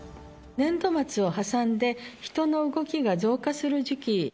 年度末を挟んで、人の動きが増加する時期。